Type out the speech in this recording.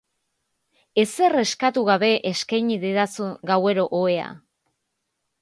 Ezer eskatu gabe eskeini didazu gauero ohea.